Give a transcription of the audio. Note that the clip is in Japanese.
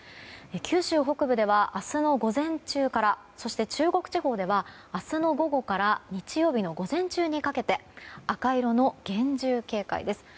九州北部では明日の午前中からそして、中国地方では明日の午後から日曜日の午前中にかけて赤色の厳重警戒です。